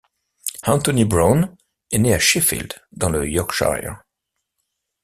Anthony Browne est né à Sheffield, dans le Yorkshire.